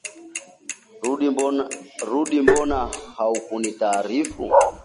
rudi Mbona hukunitaarifu